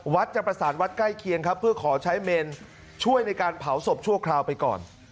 จะประสานวัดใกล้เคียงครับเพื่อขอใช้เมนช่วยในการเผาศพชั่วคราวไปก่อน